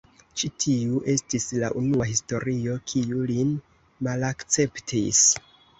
Ĉi tiu estis la unua historio kiu lin malakceptis.